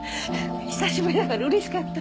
久しぶりだからうれしかった。